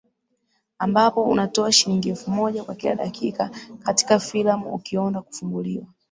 ambapo unatoa shilingi elfu moja kwa kila dakika katika filamu ukionda kufunguliwa